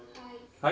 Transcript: はい。